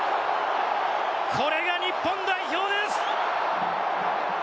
これが日本代表です。